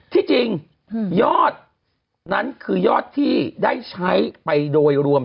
ที่จริงยอดนั้นคือยอดที่ได้ใช้ไปโดยรวม